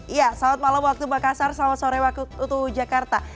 iya selamat malam waktu makassar selamat sore waktu jakarta